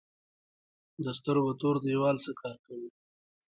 د سترګو تور دیوال څه کار کوي؟